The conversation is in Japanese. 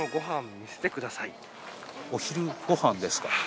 お昼ご飯ですか？